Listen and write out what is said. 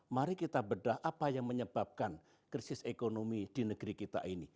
mari kita bedah apa yang menyebabkan krisis ekonomi di negeri kita ini